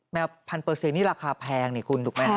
แมวพันเปอร์เซียนี่ราคาแพงเนี่ยคุณถูกไหมครับ